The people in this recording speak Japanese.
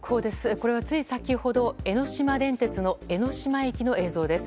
これは、つい先ほど江ノ島電鉄の江ノ島駅の映像です。